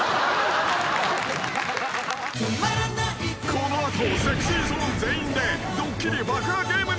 ［この後ＳｅｘｙＺｏｎｅ全員でドッキリ爆破ゲームに挑戦］